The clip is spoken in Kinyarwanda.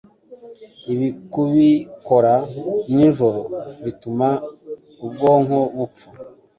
Ibi kubikora nijoro bituma ubwonko bupfa